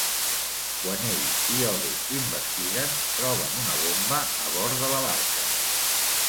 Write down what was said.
Quan ell i Odo investiguen, troben una bomba a bord de la barca.